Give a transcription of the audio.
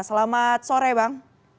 selamat sore bang